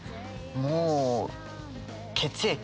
もう血液。